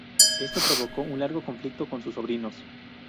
Esto provocó un largo conflicto con sus sobrinos.